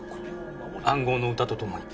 暗号の歌とともに。